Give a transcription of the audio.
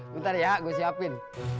bentar ya gue siapin